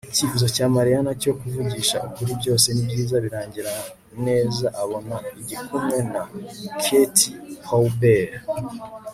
icyifuzo cya mariana cyo kuvugisha ukuri byose nibyiza birangira neza abona igikumwe na katie powell bell